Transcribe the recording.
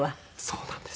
そうなんです。